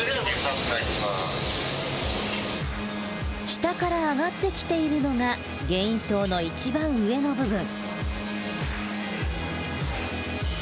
下から上がってきているのがゲイン塔の一番上の部分。